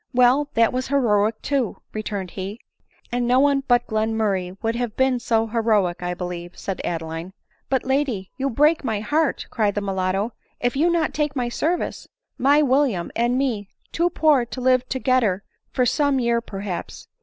" Well, that was heroic too," returned he. " And no one but Glenmurray would have been so he roic, I believe," said Adeline. " But, lady, you break my heart," cried the mulatto, " if you not take my service. My William and me, too poor to live togedder of some year perhaps.